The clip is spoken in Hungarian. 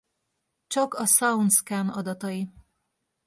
Csak a Soundscan adatai